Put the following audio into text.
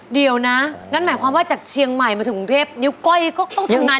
เดี๋ยวนะงั้นหมายความว่าจากเชียงใหม่มาถึงกรุงเทพนิ้วก้อยก็ต้องทำงาน